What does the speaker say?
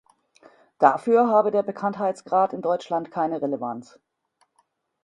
Dafür habe der Bekanntheitsgrad in Deutschland keine Relevanz.